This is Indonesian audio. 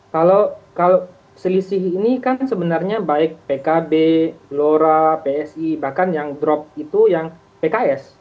kalau selisih ini kan sebenarnya baik pkb lora psi bahkan yang drop itu yang pks